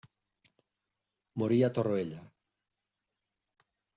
Morí a Torroella.